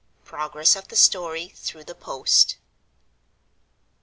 PROGRESS OF THE STORY THROUGH THE POST.